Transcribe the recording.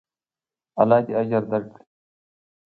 الله دې اجر درکړي.